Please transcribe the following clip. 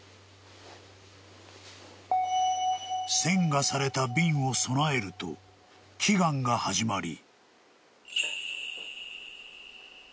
［栓がされた瓶を供えると祈願が始まり］